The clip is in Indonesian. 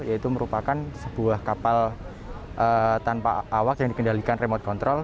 yaitu merupakan sebuah kapal tanpa awak yang dikendalikan remote control